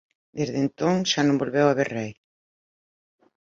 Desde entón xa non volveu haber rei.